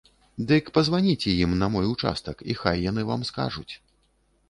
Дык пазваніце ім на мой участак і хай яны вам скажуць.